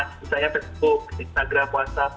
misalnya facebook instagram whatsapp